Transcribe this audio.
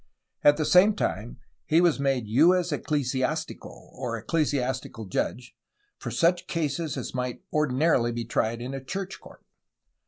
At the same time he was made Juez Eclesidstico, or ecclesiastical judge, for such cases as might ordinarily be tried in a church court.